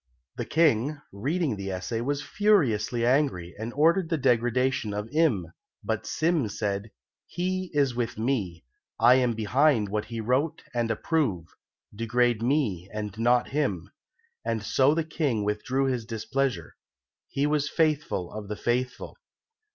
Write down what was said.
The King, reading the essay, was furiously angry, and ordered the degradation of Im, but Sim said, "He is with me; I am behind what he wrote and approve; degrade me and not him," and so the King withdrew his displeasure. He was faithful of the faithful.